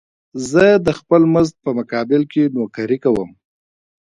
زه د خپل مزد په مقابل کې نوکري کوم